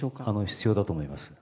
必要だと思います。